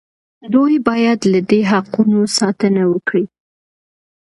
دوی باید له دې حقوقو ساتنه وکړي.